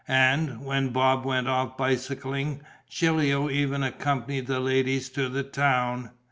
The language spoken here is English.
And, when Bob went off bicycling, Gilio even accompanied the ladies to the town.